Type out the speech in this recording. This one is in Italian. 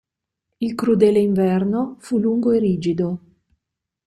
Il "Crudele Inverno" fu lungo e rigido.